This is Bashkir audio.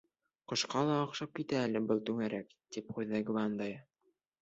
Ҡояшҡа ла оҡшап китә әле был түңәрәк, тип ҡуйҙы Гвандоя.